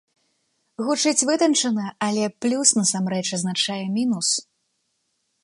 Гучыць вытанчана, але плюс насамрэч азначае мінус.